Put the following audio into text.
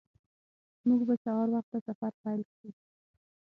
موږ به سهار وخته سفر پیل کړو